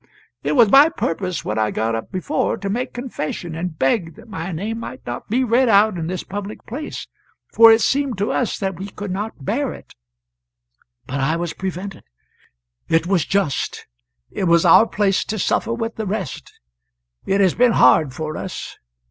It was my purpose when I got up before to make confession and beg that my name might not be read out in this public place, for it seemed to us that we could not bear it; but I was prevented. It was just; it was our place to suffer with the rest. It has been hard for us.